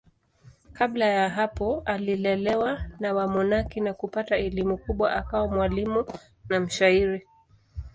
Kabla ya hapo alilelewa na wamonaki na kupata elimu kubwa akawa mwalimu na mshairi.